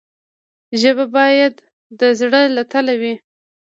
ژبه باید د زړه له تله وي.